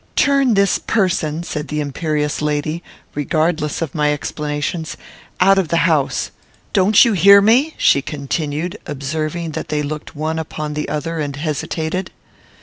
"Turn this person," said the imperious lady, regardless of my explanations, "out of the house. Don't you hear me?" she continued, observing that they looked one upon the other and hesitated.